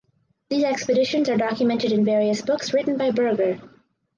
These expeditions are documented in various books written by Burger.